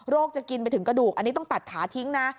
จะกินไปถึงกระดูกอันนี้ต้องตัดขาทิ้งนะ